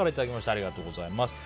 ありがとうございます。